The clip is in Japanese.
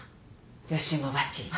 予習もばっちり。